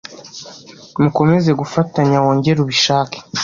mukomeze gufatanya wongere ubishake,